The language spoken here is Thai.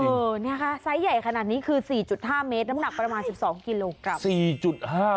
เออนะคะไซส์ใหญ่ขนาดนี้คือ๔๕เมตรน้ำหนักประมาณ๑๒กิโลกรัม